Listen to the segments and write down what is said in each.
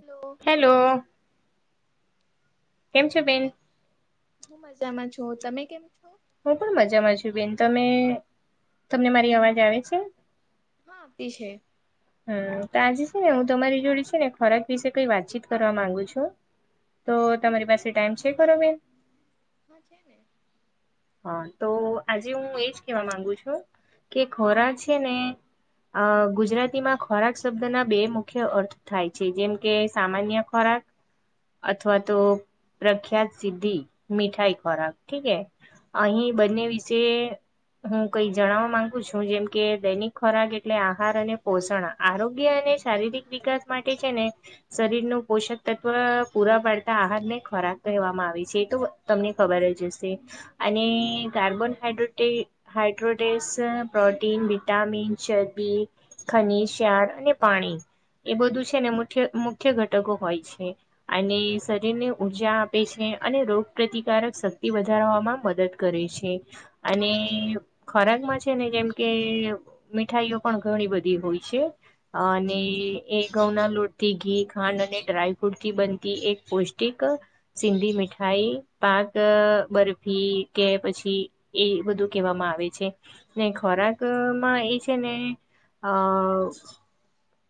Hello hello. કેમ છે, બેન? હું મજામાં છું તમે કેમ છો? હું પણ મજામાં છું બેન તમે તમને મારી અવાજ આવે છે? હા તી છે. હ તો આજે છે, ને હું તમારી જોડ છે, ને ખોરાક વિશે કઈ વાતચીત કરવા માંગુ છું. તો તમારી પાસે ટાઈમ છે, ખરો બેન? હા છે, ને હ તો આજે હું એજ કેવા માંગુ છું કે ખોરાક છે, ને અ ગુજરાતીમાં ખોરાક શબ્દના બે મુખ્ય અર્થ થાય છે, જેમ કે સામાન્ય ખોરાક. અથવા તો પ્રખ્યાત સિદ્ધિ મીઠાઈ ખોરાક ઠીકે. અહીં બંને વિશે હું કઈ જણાવા માંગુ છું. જેમ કે દૈનિક ખોરાક એટલે આહાર અને પોષણ આરોગ્ય અને શારીરિક વિકાસ માટે છે ને શરીરનું પોષક તત્વ પૂરા પાડતા આહારને ખોરાક કહેવામાં આવે છે. તો તમને ખબર જ હશે, અને કાર્બનહાઈડ્રોટે હાડ્રોટેસ, પ્રોટીન, વિટામીન, ચરબી, ખનીજ, ક્ષાર અને પાણી એ બધું છે ને મુથ્ય, મુખ્ય ઘટકો હોય છે. અને શરીરને ઊર્જા આપે છે, અને રોગ પ્રતિકારક શક્તિ વધારવામાં મદદ કરે છે અને ખોરાકમાં છે ને જેમ કે મીઠાઈઓ પણ ઘણી બધી હોય છે. અને એ ઘઉંના લોટથી ઘી, ખાંડ અને ડ્રાયફ્રૂટથી બનતી એક પૌષ્ટિક સિંધી મીઠાઈ પાક અ બરફ ફી કે પછી એ બધું કેવામાં આવે છે. ને ખોરાકમાં એ છે ને અ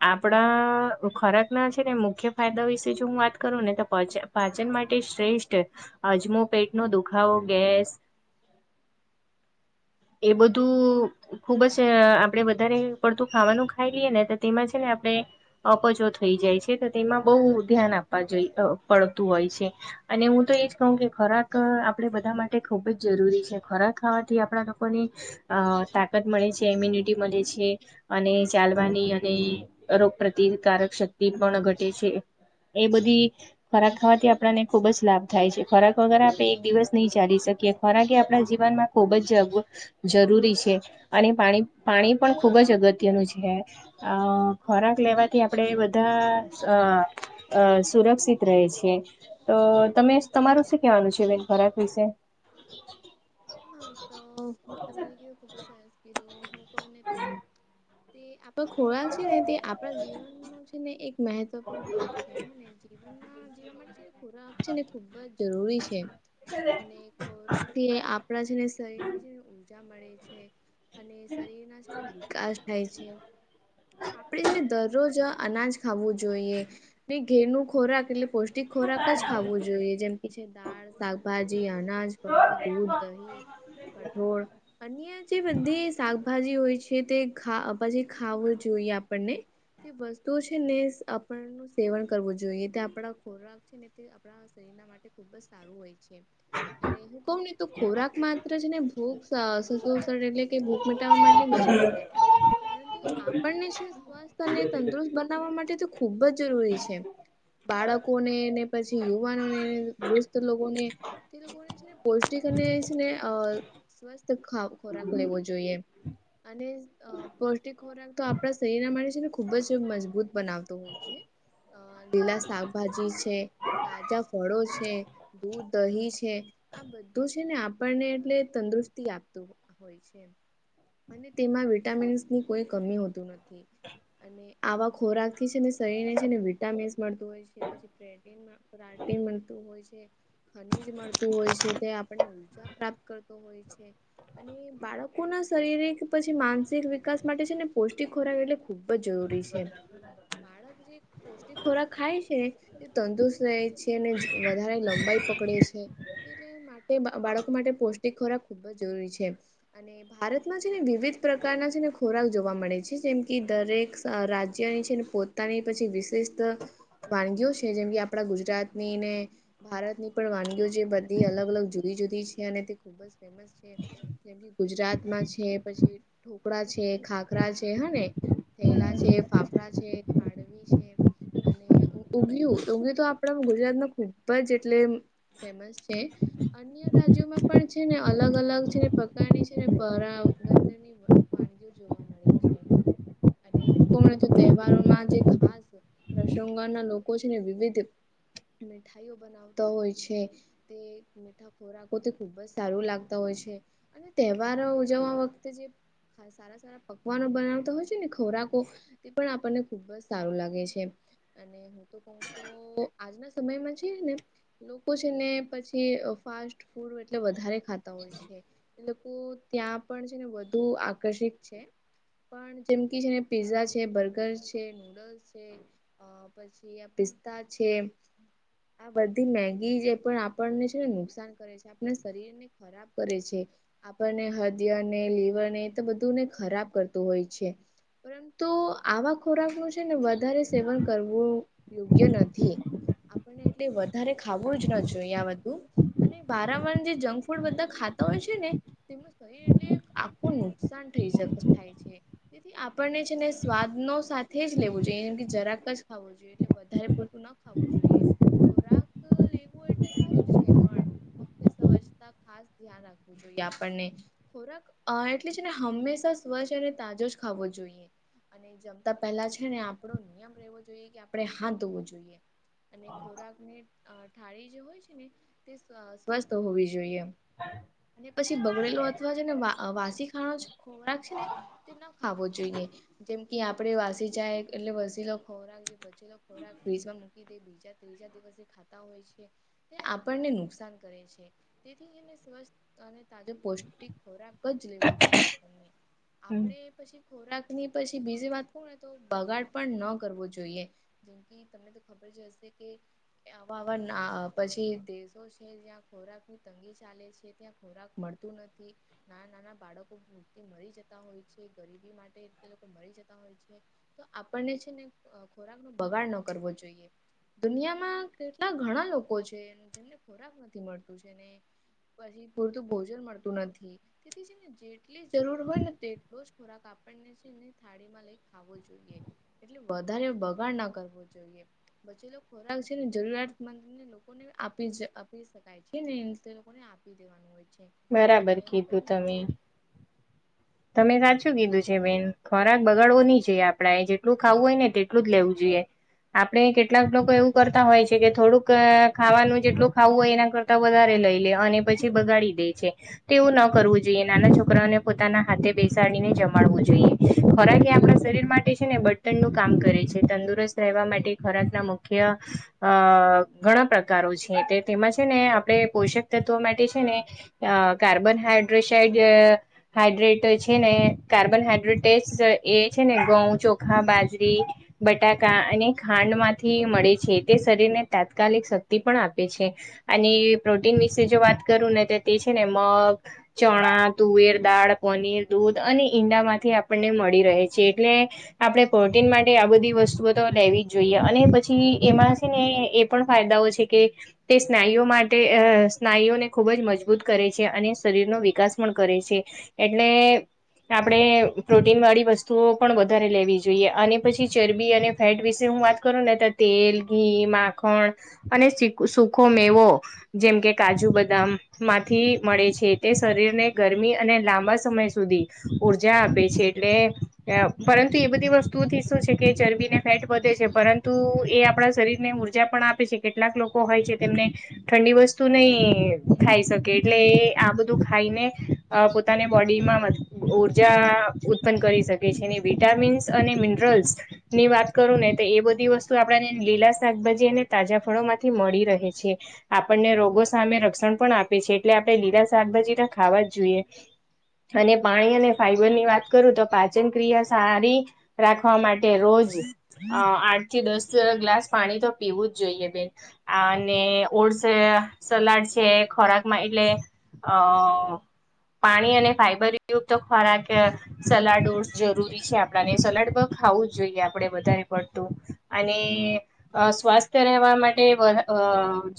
આપડા ખોરાકના છે ને મુખ્ય ફાયદા વિશે જો હું વાત કરુંને તો પચા પાચન માટે શ્રેષ્ઠ, અજમો પેટનો દુખાવો, ગેસ [inaudible] એ બધું ખૂબ જ આપડે વધારે પડતું ખાવાનું ખાઈ લીએ ને ત તેમા છે ને આપડે અપચો થઈ જાય છે, તો તેમાં બોવ ધ્યાન આપવા જોઈ અ પડતું હોય છે. અને હું તો એજ કઉ કે ખોરાક આપડે બધા માટે ખૂબ જ જરૂરી છે, ખોરાક ખાવાથી આપડા લોકોની અ તાકત મળે છે. એમ્યુનિટી મલે છે અને ચાલવાની અ ને રોગ પ્રતિકારક શક્તિ પણ ઘટે છે, એ બધી ખોરાક ખાવાથી આપડાને ખૂબ જ લાભ થાય છે, ખોરાક વગર આપણે એક દિવસ નઈ ચાલી શકીએ, ખોરાક એ આપડા જીવનમાં ખૂબ જગવો જરૂરી છે અને પાણ -પાણી પણ ખૂબ જ અગત્યનું છે. અ ખોરાક લેવાથી આપડે બધા અ અ સુરક્ષિત રહેે છે. અ તમે તમારું શું કેવાનું છે? બેન ખોરાક વિશે? હા, તો તમે કીધું, ખૂબ જ સરસ કીધું, હું કઉને તો તે આપડો ખોરાક છે ને, તે આપડા જીવનનો છે ને એક મેહેત્વપૂર્ણ ભાગ આવું છે હને જીવ જીવનમાં જીવા માટે છે ને ખોરાક છે ને ખૂબ જ જરૂરી છે અને ખોરાકથી આપડા છે ને શરીરને છે ને ઉર્જા મળે છે. અને શરીરના છે ને વિકાસ થાય છે, આપડે એને દરરોજ અનાજ ખાવું જોઈએ ને ઘેરનું ખોરાક એટલે પૌષ્ટિક ખોરાક જ ખાવું જોઈએ, જેમ છે, દાળ, શાકભાજી, અનાજ, ફળો, દૂધ, દહીં, કઠોળ, અન્ય જે બધ્ધી શાકભાજી હોય છે તે ખા પછી ખાવું જોઈએ આપણને. તે વસ્તુઓ છે ને સ આપણનું સેવન કરવું જોઈએ તે આપડા ખોરાક છે ને તે આપડા શરીરના માટે ખૂબ જ સારું હોય છે અને હું કઉ ને તો ખોરાક માત્ર છે ને ભૂખ સ સતોષણ એટલે કે ભૂખ મીટાવા માટે વસ્તુ જ નથી. પરંતુ આપણને છે ને સ્વસ્થ અને તંદુરસ્ત બનાવા માટે તો ખૂબ જ જરૂરી છે. બાળકોને ને પછી, યુવાનોને, વૃસ્ત લોકોને તે લોકોને છેને પોસ ટિક અને છે ને અ સ્વસ્થ ખા ખોરાક લેવો જોઈએ, અને અ પૌષ્ટિક ખોરાક તો આપણા શરીર માટે છે ને ખુબ જ મજબૂત બનાવતો હોય છે. અ લીલા શાકભાજી છે. તાજા ફળો છે દૂધ દહી છે આ બધુ ધું છે ને આપણને એટલે તંદુરસ્તી આપતું હોય છે. અને તેમાં વિટામિન્સની કોઈ કમી હોતું નથી અને આવા ખોરાક થી છે ને શરીર ને છે ને વિટામીન્સ મળતું હોય છે પછી [unintelligible] તું હોય છે ખનીજ મળતું હોય છે ત્યાં આપને ઉર્જા પ્રાપ્ત કરતો હોય છે. અને બાળકોના શરીરિક પછી માનસિક વિકાસ માટે છે ને પૌષ્ટિક ખોરાક એટલે- ખૂબ જ જરૂરી છે બાળક જે પૌષ્ટિક ખોરાક ખાય છે. તંદુરસ્ત રહે છે ને વધારે લંબાઈ પકડે છે એટલે મા તે બાળકો માટે પૌષ્ટિક ખોરાક ખૂબ જ જરૂરી છે. અને ભારતમાં છે ને વિવિધ પ્રકારના છે ને ખોરાક જોવા મળે છે જેમ કે દરેક રાજ્યની છે ને પોતાની પછી વિશેષત [inaudible] વાનગીઓ છે. જેમ કે આપણા ગુજરાતની ને ભારતની પણ વાનગીઓ જે બધી અલગ અલગ જુ જુદી જુદી છે અને તે ખુબ જ ફેમસ છે જેમ કે ગુજરાતમાં છે પછી ઢોકળા છે ખાખરા છે હને થેલા છે ફાફડા છે ખાડવી છે. અને ઉગયું ઉગયું તો આપણા ગુજરાતમાં ખુબ જ એટલે ફેમસ છે. અન્ય રાજ્યોમાં પણ છે ને અલગ અલગ છે પ્રકારની છે ને પરાવ [unintelligible] વાનગીઓ જોવા મળે છે [inaudible] અને હું પણ તો તહેવારોમાં જે ખાસ પ્રસંગોના લોકો છે ને વિવિધ [inaudible] મીઠાઈઓ બનાવતા હોય છે તે [inaudible] મીઠા ખોરાકો તે ખુબ જ સારું લાગતા હોય છે. અને તહેવારો ઉજવવા વખતે જે [inaudible] સારા સારા પકવાનો બનાવતા હોય છે ને ખોરાકો તે પણ આપણને ખુબ જ સારું લાગે છે અને [inaudible] હું તો આજના સમયમાં છે ને લોકો છે ને પછી- ઍ ફાસ્ટ ફૂડ એટલે વધારે ખાતા હોય છે. એ લોકો ત્યાં પણ છે ને વધુ આકર્ષિત છે. પણ જેમ કી છે ને પિઝા છે બર્ગર છે નુડલ્સ છે. અ પછી પિસ્તા છે [inaudible] આ બધી મેગી જે પણ આપ પણછે ને નુકસાન કરે છે આપણા શરીર ને ખરાબ કરે છે. આપણને હડિયને લીવરને એ બધુંને ખરાબ કરતું હોય છે. પરંતુ આવા ખોરાકનું છે ને વધારે સેવન કરવું યોગ્ય નથી આપણને એટલે વધારે ખાવું જ ન જોઈએ જો બધું અને વાારંવાર જે જંક ફૂડ બધા ખાતા હોય છે ને તેમનું શરીર એટલે આખું નુકસાન થઈ જતું થાય છે. તેથી આપણને છે ને સ્વાદનો સાથે જ લેવો જોઈએ જેમ કે જરાક જ ખાવો જોઈએ એટલે વધારે પૂરતું ન ખાવું જોઈએ ખોરાક લેવું એટલે એટલે સારું છે પણ ફકત સવજતા ખાસ ધ્યાન રાખવું જોઈએ આપણને ખોરાક એટલે અ ને હંમેશા સ્વચ્છ અને તાજો જ ખાવો જોઈએ. અને જમતા પહેલા છે ને આપણો નિયમ રહેવો જોઈએ કે આપણે હાથ ધોવો જોઈએ. અને ખોરાક ની થાળી જે હોય છે ને તે સ્વસ્થ હોવી જોઈએ. અને પછી બગડેલો અથવા [inaudible] ને વાસી ખાણ ખોરાક છે ને ખાવો જોઈએ. જેમ કે આપડે વાસી જાય એટલે વસીલો ખોરાક જે બચેલો ખોરાક ફ્રીજમાં મૂકી દઈ બીજા ત્રી જા દિવસે ખાતા હોય છે તે આપણને નુકસાન કરે છે. તેથી એ સ્વસ્થ અને તાજો પૌષ્ટિક ખોરાક જ લેવો જોઈએ આપણને. હમ આપણે પછી ખોરાક ની પછી બીજી વાત કો ને તો બગાડ પણ ન કરવો જોઈએ. જેમ કે ખબર જ હશે કે આવા આવા પછી દેશો છે જ્યાં ખોરાક તંગી ચાલે છે, ત્યાં ખોરાક મળતું નથી, નાના નાના બાળકો પૂરથી મરી જતા હોય છે, ગરીબી માટે લોકો મરી જતા હોય છે તો આપણને છે ને ખોરાક નો બગાડ ન કરવો જોઈએ. દુનિયામાં કેટલા ઘણા લોક કો છે જેમને ખોરાક નથી મળતું છે ને પછી પૂરતું ભોજન મળતું નથી તેથી છે ને જે જેટલી જરૂર હોય ને તેટલો જ ખોરાક આપણને છેને થાળી એને ખાવો જોઈએ. એટલે વધારે બગાડ ના કરવો જોઈએ. પછી ખોરાક છે ને જરૂરિયાતમંદ ને લોકોને આપી આપી શકાય છે ને તે લોકોને આપી દેવાનું હોય છે. અને બરાબર હું કહું કીધું ને તો તમે. તમે સાચું કીધું છે બેન, ખોરાક બગાડવો ની જોઈએ આપણે જેટલું ખાવું હોય ને તેટલું જ લેવું જોઈએ. આપણે કેટલા લોકો એવું કરતા હોય છે કે થોડુંક જેટલું ખાવું હોય એના ક તા વધારે લઈ લે અને પછી બગાડી દે છે. તેવું ન કરવું જોઈએ નાના છોકરાઓને પોતાના હાથે બેસાડીને જમાડવું જોઈએ, ખોરાકે આપણા શરીર માટે છે ને બટન નું કામ કરે છે, તંદુરસ્ત રહેવા માટે ખોરાકના મુખ્ય અ ઘણા પ્રકારો છે તે તેમાં છે ને આપણે પોષક તત્વ માટે છે ને અ કાર્બન હાઈડ્રોક્સઇડ હાઈડ્રેટ છે ને કાર્બનહાઈડ્રેટે એ છે ને ઘઉં, ચોખા, બાજરી બટાકા અને ખાંડ માંથી મળે છે તે શરીરને તાત્કાલિક શક્તિ પણ આપે છે. અને પ્રોટીન વિશે જો વાત કરું ને તો તે છે ને મગ ચણા, તુવેર દાળ, પનીર, દૂધ અને ઈંડા માંથી આપણને મળી રહે છે એટલે આપણે પ્રોટીનવાળી આ બધી વસ્તુઓ તો લેવી જ જોઈએ અને પછી એમાં છે ને પણ ફાયદાઓ છે કે તે સ્નાયુઓ માટે અ સ્નાયુઓને ખૂબ જ મજબૂત મજબૂત કરે છે અને શરીરનો વિકાસ પણ કરે છે એટલે આપણે પ્રોટીનવાળી વસ્તુઓ પણ વધારે લેવી જોઈએ અને પછી ચરબી અને ફેટ વિશે હું વાત કરુ ની તો તેલ, ઘી, માખણ અને સુખો મેવો જેમ કે કાજુ, બદામ માંથી મળે છે તે શરીરને ગરમી અને લાંબા સમય સુધી ઊર્જા આપે છે. એટલે પરંતુ એ બધી વસ્તુથી શું છે કે ચરબીને ફેટ વધે છે પર તુ એ આપણા શરીરને ઉર્જા પણ આપે છે કેટલાક લોકો હોય છે તેમને- ઠંડી વસ્તુ નઈ ખાઈ શકે એટલે આ બધું ખાઈને પોતાની બોડીમાં ઉર્જા ઉત્પન્ન કરી શકે છે અને વિટામિન્સ અને મિનરલ્સ ની વાત કરો ને તો એ બધી વસ્તુ આપણેને લીલા શાકભાજી અને તાજા ફળો માંથી મળી રહે છે. આપણને રોગો સામે રક્ષણ પણ આપે છે એટલે આપણે લીલા શાકભાજી ખાવા જ જોઈએ. અને પાણી અને ફાઈબર ની વાત કરું તો પાચન ક્રિયા સારી રાખવા માટે રોજ અ આઠ થી દસ ગ્લાસ પાણી તો પીવું જ જોઈએ બેન. અને ઓરસે સલાડ છે ખોરાકમાં એટલે અ પાણી અને ફાઈબર યુક્ત‌ ખોરાક સલાડો જરૂરી છે, આપણાને સલાડ બો ખાવું જ જોઈએ આપડે વધારે પડતું અને અ સ્વાસ્થ્ય રહેવા માટે વ અ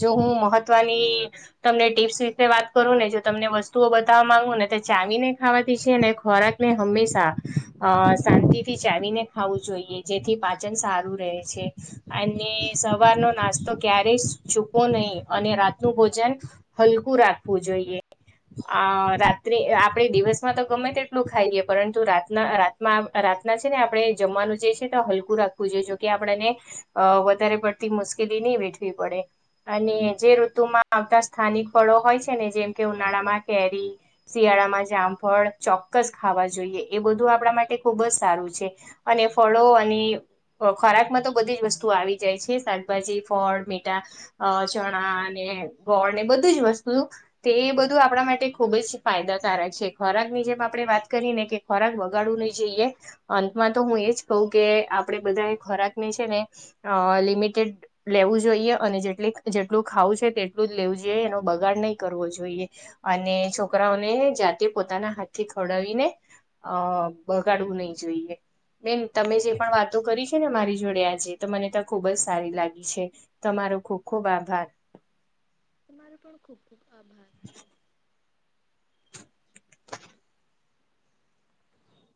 જો હું મહત્વની તમને ટીપ્સ વિશે વાત કરું ને જો તમને વસ્તુઓ બતાવવા માંગુ ને તો ચાવીને ખાવાતી છે, ને ખોરાક હંમેશા અ શાંતિથી ચાવીને ખાવું જોઈએ જેથી પાચન સારું રે છે. અને સવારનો નાસ્તો ક્યારેય છૂકવો નહી અને રાતનું ભોજન હલકું રાખવું જોઈએ અ રાત્રે આપડે દિવસમાં તો ગમે તેટલું ખાઈએ પરંતુ રાતના રા મા રાતના છે, ને આપણે જમવાનું જે છે, તો હલકું રાખવું જોઈએ જોકે આપણેને અ વધારે પડતી મુશ્કેલી ની વેઠવી પડે અને જે ઋતુમાં આવતા સ્થાનિક ફળો હોય છે, ને જેમ કે ઉનાળામાં કેરી શિયાળામાં જામફળ ચોક્કસ ખાવા જોઈએ એ બધું આપણા માટે ખુબ જ સારું છે. અને ફળો અને ખોરાકમાં તો બધી જ વસ્તુ આવી જાય છે, શાકભાજી, ફળ, મીઠા અ ચણાને અને ગોળને બધું જ વસ્તુ તે એ બધું આપણા માટે ખૂબ જ ફાયદાકારક છે, ખોરાકની જેમ આપણે વાત કરી ને કે ખોરાક બગાડવું નહી જોઈએ અંતમાં તો હું એજ કહું કે આપણેે બધા એ ખોરાક ને છે, ને અ લિમિટેડ લેવું જોઈએ અને જેટલી જેટલું ખાવું છે, તે ટલું જ લેવું જોઈએ એનો બગાડ નહીં કરવો જોઈએ અને છોકરાઓને જાતે પોતાના હાથથી ખવડાવીને અ બગાડવું નહી જોઈએ બેન તમે જે પણ વાતો કરી છે, ને મારી જોડે આજે તો મને તો ખુબ જ સારી લાગી છે. તમારો ખુબ ખુબ આભાર તમારો પણ ખુબ ખુબ આભાર